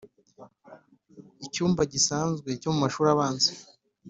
icyumba gisanzwe cyo mu mashuri abanza